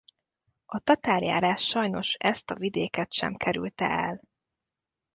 A tatárjárás sajnos ezt a vidéket sem kerülte el.